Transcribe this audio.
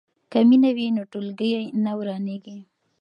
که مینه وي نو ټولګی نه ورانیږي.